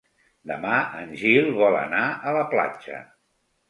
Demà en Gil vol anar a la platja.